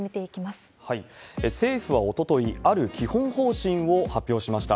政府はおととい、ある基本方針を発表しました。